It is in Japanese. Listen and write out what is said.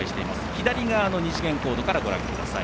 左側の二次元コードからご覧ください。